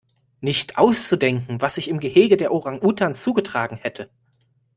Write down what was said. Nicht auszudenken, was sich im Gehege der Orang-Utans zugetragen hätte!